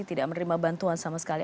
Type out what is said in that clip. tidak menerima bantuan sama sekali